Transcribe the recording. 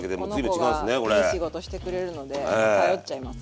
そうこの子がいい仕事してくれるので頼っちゃいます。